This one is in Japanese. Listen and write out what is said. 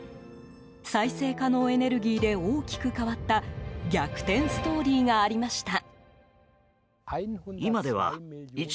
再生可能エネルギーで大きく変わった逆転ストーリーがありました。